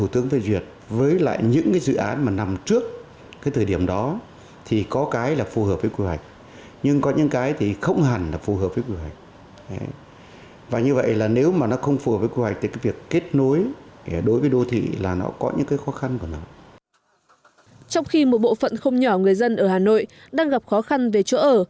trong khi một bộ phận không nhỏ người dân ở hà nội đang gặp khó khăn về chỗ ở